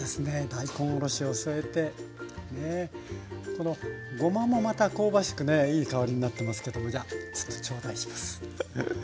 このごまもまた香ばしくねいい香りになってますけどもじゃあちょっと頂戴します。